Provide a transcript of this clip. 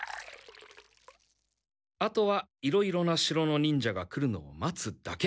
あとはいろいろな城の忍者が来るのを待つだけ。